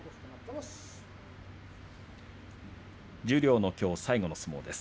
十両の最後の相撲です。